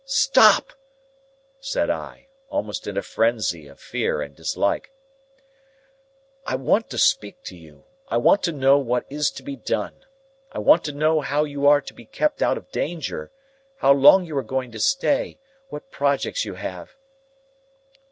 "Stop!" said I, almost in a frenzy of fear and dislike, "I want to speak to you. I want to know what is to be done. I want to know how you are to be kept out of danger, how long you are going to stay, what projects you have."